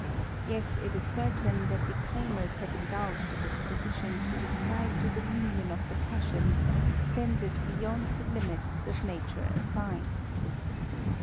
" ct it is certain that dedaimers have indulged a disposition f describe the dominion of the passions as extended ™^yond the limits that nature assigned.